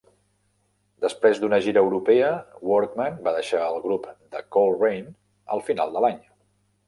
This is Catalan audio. Després d'una gira europea, Workman va deixar el grup de Coltrane al final de l'any.